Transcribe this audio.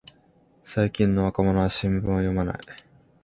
最近の若者は新聞を読まない